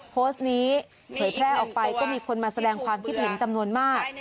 โพสต์นี้เผยแพร่ออกไปก็มีคนมาแสดงความคิดเห็นจำนวนมาก